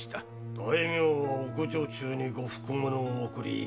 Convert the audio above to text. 大名は奥女中に呉服物を贈り